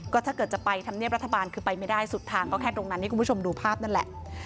ก็ถ้าเกิดจะไปทำเนียบรัฐบาลคือไปไม่ได้สุดทางก็แค่ตรงนั้นให้คุณผู้ชมดูภาพนั่นแหละ